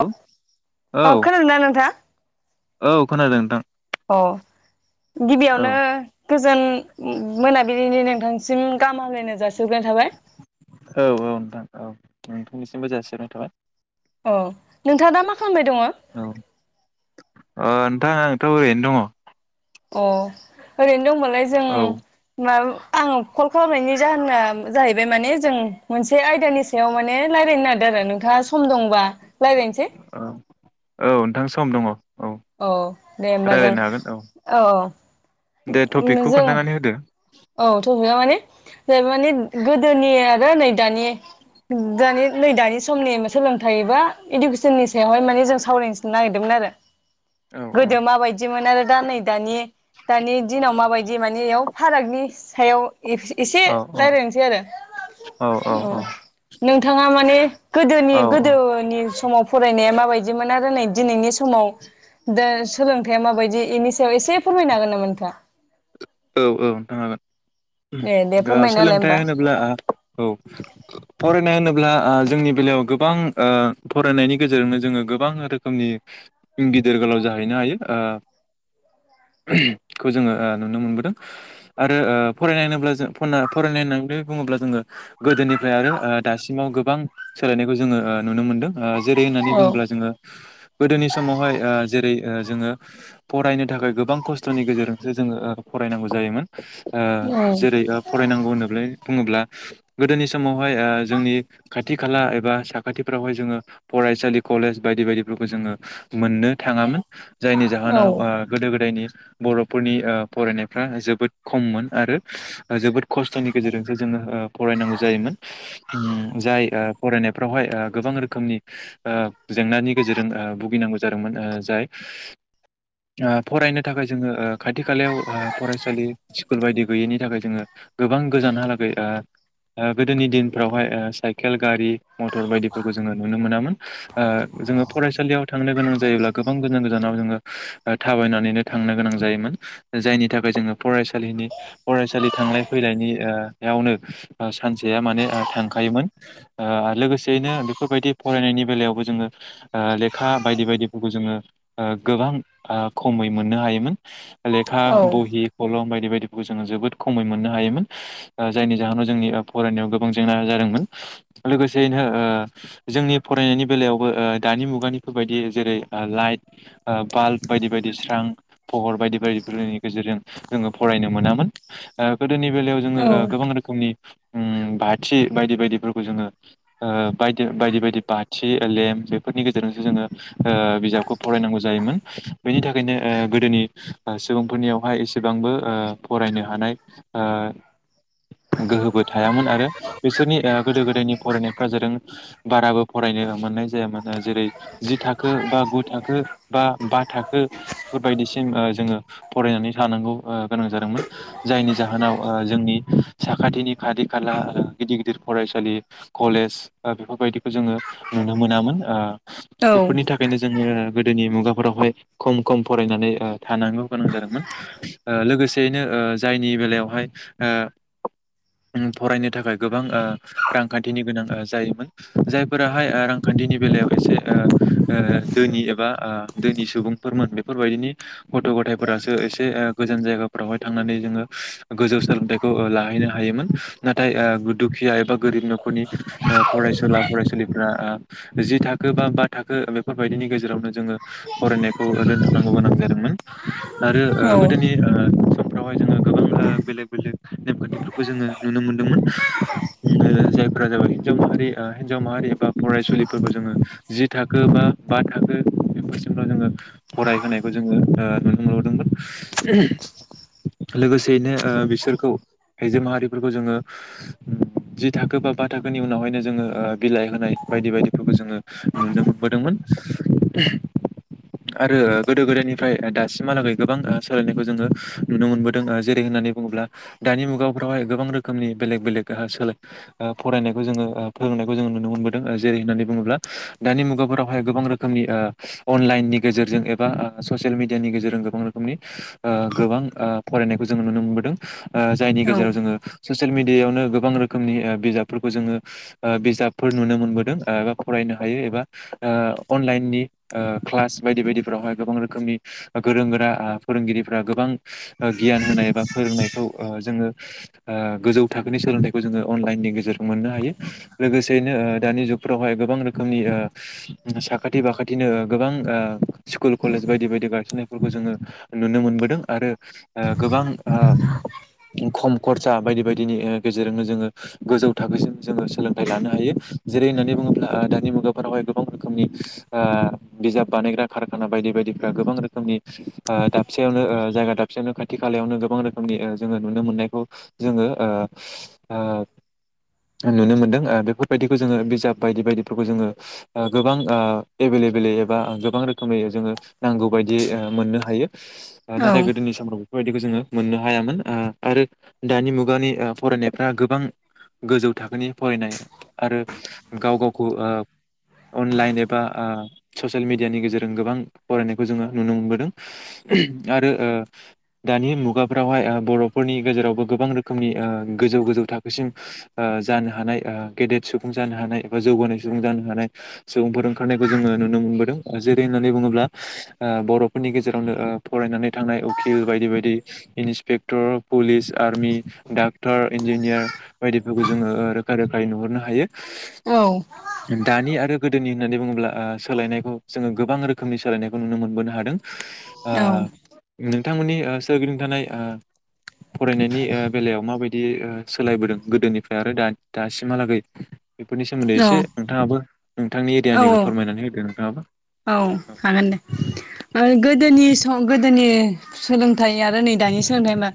औ अ खोनादो ना नोंथा औ खोनादों नोंथां। अ औ गिबियावनो गोजोन मोनाबिलिनि नोंथांसिम गाहाम हामलायनाय जासिहरग्रोनाय थाबाय। औ औ नोंथां औ नोंथांनिसिमबो जासिहरनाय थाबाय। औ नोंथाङा दा मा खालामबाय दंङ अ नोंथा आंथ' ओरैनो दंङ अ ओरैनो दंमोनलाय जों औ माब आं कल खालामनायनि जाहोना जाहैबाय माने जों मोनसे आयदानि सायाव माने रायलायनो नागिरदो आरो नोंथाङा सम दंबा रायलायनोसै औ नोंथां सम दङ औ औ दे होमबा जों रायज्लायनो हागोन औ दे उम टपिकखौ जों खोन्थानानै होदो औ ट आ माने माने गोदोनि आरो नै दानि दानि नै दानि समनि सोलोंथाइबा इडुकेसननि सायावहाय माने जों सावरायनो नागिरदोंमोन आरो औ गोदो माबायदिमोन आरो दा नै दानि दानि दिनाव माबायदि मानि एयाव फाराग सायाव एस-एसे औ औ रायलायनोसै आरो औ नोंथाङा माने गोदोनि औ औ गोदोनि समाव फराय नाया माबायदिमोन आरो नै दिनैनि समाव दा सोलोंथाइया माबायदि इनि सायाव एसे फोरमायनो हागोन नामा नोंथांआ? औ औ नोंथां हागोन। उम दे दे दा फोरमायना होलाय सोलोंथाइ होमबा होनोब्ला आ औ फरायनाय होनोब्ला ओ जोंनि बेलायाव गोबां ओ फरायनायनि गेजेरजोंनो जोङो गोबां रोखोमनि गिदिर गोलाव जाहैनो हायो ओ [unintelligible] खौ जोङो ओ नुनो मोनबो दों आरो ओ फरायनाय होनोब्ला जों फना-फरायनाय होननानै बुङोब्ला जोङो गोदोनिफ्राय आरो ओ दासिमाव गोबां सोलायनायखौ जोङो ओ नुनो मोनदों। ओ जेरै- होननानै औ बुङोब्ला जोङो गोदोनि समावहाय ओ जेरै- ओ जोङो फरायनो थाखाय गोबां खस्थ'नि गेजेरजोंसो जोङो ओ फरायनांगौ जायोमोन। ओ उम जेरै- ओ फरायनांगौ होनोब्लै बुङोब्ला गोदोनि समावहाय ओ जोंनि खाथि खाला एबा साखाथिफ्रावहाय जोङो फरायसालि कलेज बायदि बायदिफोरखौ जोङो मोननो थाङामोन जायनि औ जाहोनाव ओ गोदो गोदायनि बर'फोरनि ओब फरायनायफ्रा जोबोद खममोन आरो जोबोद खस्थ'नि गेजेरजोंसो जोङो ओ फरायनांगौ जायोमोन उम जाय ओ फरायनायफ्रावहाय ओ गोबां रोखोमनि ओ जेंनानि गेजेरजों ओ भुगिनांगौ जादोंमोन‌ ओ जाय ओ फरायनो थाखाय जोङो ओ खाथि खालायाव ओ फरायसालि स्कुल बायदि गैयैनि थाखाय जोङो गोबां गोजानहालागै ओ ओ गोदोनि दिनफ्रावहाय ओ साइकेल, गारि मटर बायदिफोरखौ जोङो नुनो मोनामोन ओ जोङो फरायसालियाव थांनो गोनां जायोब्ला गोबां गोजान गोजानाव जोङो ओ थाबायनानैनो थांनो गोनां जायोमोन। जायनि थाखाय जोङो फरायसालिनि फरायसालि थांलाय फैलायनि ओ यावनो सानसेया माने ओ थांखायोमोन ओ लोगोसेयैनो बेफोरबायदि फरायनायनि बेलायावबो जोङो ओ लेखा बायदि बायदिफोरखौ जोङो ओ गोबां ओ खमै मोननो हायोमोन। ले खा बहि, कलम बायदि बाय बेखौ जोङो जोबोद खमै मोननो हायोमोन ओ जायनि जाहोनाव जोंनि ओ फरायनायाव गोबां जेंना जादोंमोन लोगोसेयैनो ओ जोंनि फरायनायनि बेलायावबो ओ दानि मुगानिफोरबायदि जेरै- लाइट ओ बाल्ब बायदि बायदि स्रां फहर बायदि बाय रिनि गेजेरजों जोङो फरायनो मोनामोन ओ गोदोनि बेलायाव जोङो ओ गोबां रोखोमनि उम बाथि बायदि बायदिफोरखौ जोङो ओ बायदो बायदि बायदि बाथि ओ लेम बेफोरनि गेजेरजोंसो जोङो ओ बिजाबखौ फरायनांगौ जायोमोन बेनि थाखायनो ओ गोदोनि ओ सुबुंफोरनियावहाय एसेबांबो ओ फरायनो हानाय ओ गोहोबो थायामोन आरो बिसोरनि ओ गोदो गोदायनि फरायनायफ्रा जादों बाराबो फरायनो मोननाय जायामोन जेरै- जि थाखो बा गु थाखो बा बा थाखो बेफोरबायदिसिम ओ जोङो फरायनानै थानांगौ ओ गोनां जादोंमोन जायनि जाहोनाव ओ जोंनि साखाथिनि खाथि ओ खाला गिदिर गिदिर फरायसालि कलेज ओ बेफोरबायदिखौ जोङो नुनो मोनामोन ओ बेफोरनि थाखायनो जोङो गोदोनि मुगाफोरावहाय खम खम फरायनानै ओ थानांगौ गोनां जादोंमोन ओ लोगोसेयैनो ओ जायनि बेलायावहाय ओ उम फरायनो थाखाय गोबां ओ रांखान्थिनि गोनां ओ जायोमोन जायफोराहाय ओ रांखान्थिनि बेलायाव एसे ओ ओ दोनि एबा ओ दोनि सुबुंफोरमोन बेफोरबायदिनि गथ' गथाय फोरासो एसे ओ गोजान जायगाफ्रावहाय थांनानै जोङो गोजौ सोलोंथाइखौ ओ लाहैनो हायोमोन नाथाय ओ दुखिया एबा गोरिब न'खरनि ओ फरायसुला फरायसुलिफ्रा ओ जि थाखो बा, बा थाखो बेफोरबायदिनि गेजेरावनो जोङो फरायनायखौ दोनथ'नांगौ गोनां जादोंमोन। आरो ओ गोदोनि ओ स मफ्रावहाय जोङो गोबां ओ बेलेग बेलेग नेमखान्थिफोरखौ जोङो नुनो मोन्दोंमोन जायफोरा जाबाय हिनजाव माहारि ओ हिनजाव माहारि एबा फरायसुलिफोरखौ जोङो जि थाखो बा बा थाखो बेफोरसिमल' जोङो फरायहोनायखौ जोङो ओ नु नुदोंमोन [unintelligible] लोगोसेयैनो ओ बिसोरखौ आइजो माहारिफोरखौ जोङो जि थाखो बा बा थाखोनि उनावहायनो जोङो ओ बिलाइ होनाय बायदि बायदिफोरखौ जोङो नुनो मोनबोदोंमोन आरो गोदो गोदायनिफ्राय दासिम हालागै गोबां ओ सोलायनायखौ जोङो नुनो मोनबोदोंओ जेरै- होननानै बुङोब्ला दानि मुगाफोरावहाय गोबां रोखोमनि बेलेग बेलेग सोलो ओ फरायनायखौ जोङो ओ फोरोंनायखौ जोङो नुनो मोनबोदों ओ जेरै- होननानै बुङोब्ला दानि मुगाफोरावहाय गोबां रोखोमनि ओ अनलाइननि गेजेरजों एबा ओ ससियेल मिडियानि गेजेर जों गोबां रोखोमनि गोबां फरायनायखौ जों नुनो मोनबोदों जायनि गेजेराव जोंङो ससियेल मिडियायावनो गोबां रोखोमनि बिजाबफोरखौ जोंङो बिजाबफोर नुनो मोनबोदों एबा फरायनो हायो एबा अनलाइननि क्लास बायदि-बायदिफोरावहाय गोबां रोखोमनि गोरों गोरा फोरोंगिरिफ्रा गोबां गियान होनाय बा फोरोंनायखौ जोंङो गोजौ थाखोनि सोलोंथाइखौ जोंङो अनलायननि गेजेरजों मोननो हायो लोगोसेयैनो दानि जुगफ्रावहाय गोबां रोखोमनि ओ साखाथि फाखाथिनो गोबां स्कुल कलेज बायदि-बायदि गायसननाय फोरखौ जोंङो नुनो मोनबोदों आरो गोबां ओ खम खरसा बायदि-बायदिनि गेजेरजोंनो जोंङो गोजौ थाखोसिम जोंङो सोलोंथाइ लानो हायो जेरै होननानै बुङोब्ला दानि मुगाफोरावहाय गोबां रोखोमनि ओ बिजाब बानायग्रा खारखाना बायदि-बायदिफ्रा गोबां रोखोमनि ओ दाबसेयावनो ओ जायगा दाबसेयावनो खाथि खालायावनो गोबां रोखोमनि जोङो नुनो मोननायखौ जोंङो ओ नुनो मोनदों ओ बेफोरबायदिखौ जोङो बिजाब बायदि बायदिफोरखौ जोंङो गोबां ओ एभेलेबेलै एबा गोबां रोखोमै जोंङो नांगौ बायदि ओ मोननो हायो। नाथाय गोदोनि समफ्राव बेफोरबायदिखौ जोंङो मोननो हायामोन ओ आरो दानि मुगानि ओ फरायनायफ्रा गोबां गोजौ थाखोनि फरायनाय आरो गाव-गावखौ ओ अनलायन एबा ओ ससियेल मेडियानि गेजेरजों गोबां फरायनायखौ जोंङो नुनो मोनबो आरो ओ दानि मुगाफ्रावहाय बर'फोरनि गेजेरावबो गोबां रोखोमनि ओ गोजौ-गोजौ थाखोसिम ओ जानो हानाय ओ गेदेेद सुबुं जानो हानाय एबा जौगानाय सुबुं जानो हानाय सुबुंफोर ओंखारनायखौ जोंङो नुनो मोनबोदों जेरै होननानै बुङोब्ला बर' फोरनि गेजेरावनो ओ फरायनानै थांनाय उखिल बायदि-बायदि inspector police army doctor engineer बायदिफोरखौ जोंङो रोखा रोखायै नुहरनो हायो। औ दानि आरो गोदोनि होननानै बुङोब्ला ओ सोलायनायखौ जोंङो गोबां रोखोमनि सोलायनायखौ नुनो मोनबोनो हादों। ओ औ बिथांमोननि सोरगिदिंथानाय फरायनायनि बेलायाव माबायदि सोलायबोदों गोदोनिफ्राय आरो दा दासिमहालागै बेफोरनि सोमोन्दै एसे नोंथाङाबो नोंथांनि औ एरियानिखौ फोरमायनानै होदो नोंथाङाबो औ दोनि सम गोदोनि सोलों थाय आरो नै दानि सोलोंथाय होना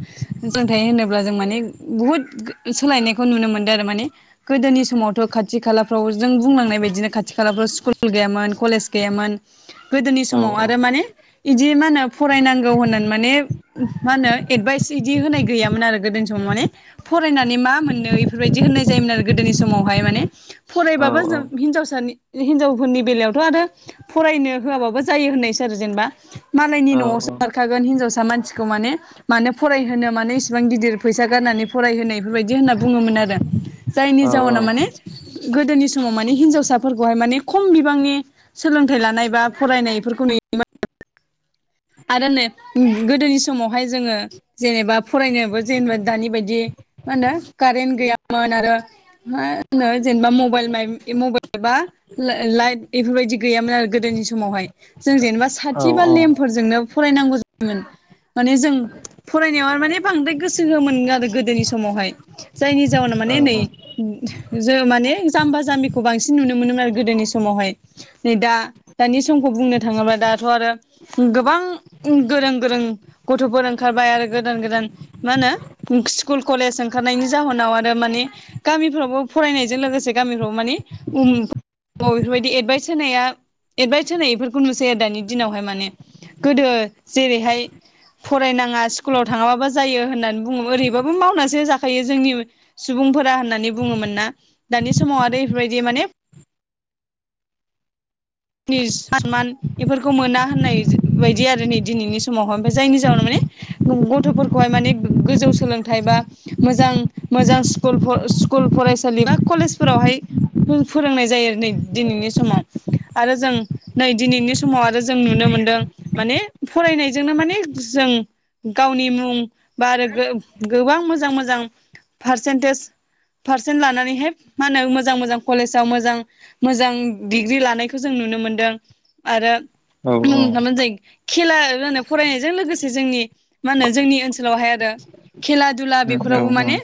सोलोंथाय होनोब्ला जों माने बुहुत सोलायनायखौ नुनो मोनदों आरो माने गोदोनि समावथ' खाथि खाला फोराव जों बुंलांनाय बायदिनो खाथि खालाफ्राव स्कुल गैयामोन कलेज गैयामोन। गोदोनि औ समाव आरो माने इदि मा होनो फरायनांगौ होननानै माने मा होनो एदभाइस इदि होनाय गैयामोन आरो गोदोनि समाव माने फरायनानै मा मोनो इफोरबायदि होननाय जायोमोन आरो गोदोनि समावहाय माने औ फरायबाबो जों औ हिनजावसानि हिनजावफोरनि बेलायावथ' आरो फरायनो होआबाबो जायो होननायसै आरो जेनेबा मालायनि न'आवसो औ बारखागोन हिनजावसा मानसिखौ माने मानो फराय होनो मानो इसिबां गिदिर फैसा गारनानै फराय होनो इफोरबायदि होनना बुङोमोन आरो जायनि औ औ जाउनाव माने गोदोनि समाव माने हिनजावसा फोरखौहाय माने खम बिबांनि सोलोंथाय लानाय बा फरायनायफोरखौ नुयो आरो नै गोदोनि समावहाय जोंङो जेनेबा फरायनायबो जेनेबा दानि बायदि मा होनो कारेन गैया मोन आरो मा होनो जेनेबा मबायल-मबायलबा लायट बेफोरबायदि गैयामोन आरो गोदोनि समावहाय। जों जेनेबा औ साथिबा लेम नों फरायनांगौ जायोमोन माने जों फरायनायाव माने बांद्राय गोसो होयामोन आरो गोदोनि समावहाय। जायनि जाउनाव माने नै ओम जो माने जाम्बा जाम्बिखौ बांसिन नुनो मोनोमोन आरो गोदोनि समावहाय नै दा दानि समखौ बुंनो थाङोब्ला दाथ' आरो गोबां गोरों गोरों गथ'फोर ओंखारबाय आरो गोदान गोदान मा होनो स्कुल कलेज ओंखारनायनि जाहोनाव आरो माने गामिफ्रावबो फरायनायजों लोगोसे गामिफ्रावबो माने बेफोरबायदि एदभाइस होनाया एदभाइस होनाय बेफोरखौ नुसै आरो दानि दिनावहाय माने। गोदो जेरैहाय फरायनाङा स्कुलाव थाङाबाबो जायो होननानै बुङो ओरैबाबो मावनासो जाखायो जोंनि सुबुंफोरा होननानै बुङोमोन ना दानि समाव आरो बेफोरबायदि माने नि सनमान बेफोरखौ मोना होननाय बायदि आरो नै दिनैनि समावहाय ओमफ्राय जायनि जाहोनाव माने गथ'फोरखौहाय माने गोजौ सोलोंथाइ बा मोजां मोजां स्कुल स्कुल फरायसालि बा कलेजफोरावहाय फोरोंनाय जायो आरो नै दिनैनि समाव। आरो जों नै दिनैनि समाव आरो जों नुनो मोनदों माने फरायनायजोंनो माने जों गावनि मुं बा आरो गो-गोबां मोजां मोजां पारसेन्टेज पारसेन्ट लानानैहाय मा होनो मोजां मोजां कलेजाव मोजां मोजां डिग्रि लानाय खौ जों नुनो मोन्दों आरो नुनो [unintelligible] खेला जोंनो फरायनायजों लोगोसे जोंनि मा होनो जोंनि ओनसोलावहाय आरो खेला दुला बेफोरावबो माने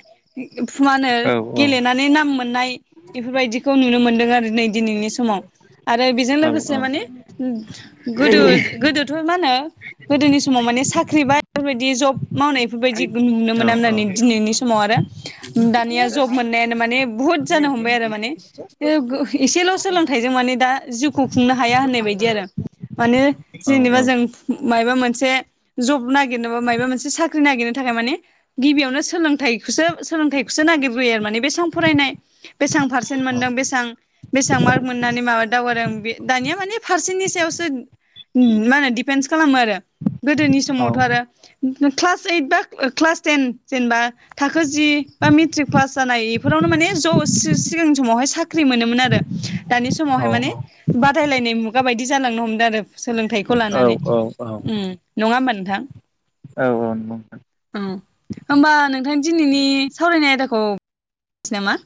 मा होनो गेलेनानै नाम मोननाय बेफोरबायदिखौ नुनो मोनो। आरो नै दिनैनि समाव। आरो बेजों लोगोसे माने गोदो गोदोथ' मा होनो गोदोनि समाव माने साख्रि बा बेफोरबायदि जब मावनायफोरबायदि नुनो मोना होननानै दिनैनि समाव आरो दानिया जब मोननायानो माने बुहुत जानो हमबाय आरो माने एसेल' सोलों थायजों माने दा जिउखौ खुंनो हाया होननाय बायदि आरो मानो जेनेबा जों मायबा मोनसे जब नागिरनोबा मायबा मोनसे साख्रि नागिरनो थाखाय माने गिबियावनो सोलोंथायखौसो सोलोंथाइखौसो नागिरबोयो आरो माने बेसेबां फरायनाय बेसेबां पार्सेन्ट मोनदों बेसेबां बेसेबां मार्क मोननानै माबा दावगालां बे दानिया माने पारसेन्टनि सायावसो मा होनो दिपेन्ट खालामो आरो गोदोनि समावथ' आरो क्लास एइठ बा क्लास टेन जेनेबा थाखो जि बा मेट्रिक पास जानाय इफोरावनो माने ज सि-सिगांनि समावहाय साख्रि मोनोमोन आरो दानि समावहाय माने बादायलायनाय मुगा बायदि जालांनो हमदों आरो सोलोंथाइखौ लानानै ओम नङा होनबा नोंथां। औ औ नंगौ औ होमबा नोंथां दिनैनि सावरायनाय आयदाखौ दोनथ'सै नामा?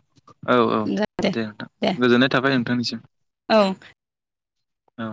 औ औ जागोन दे नोंथां दे गोजोननाय थाबाय नोंथांनि। औ औ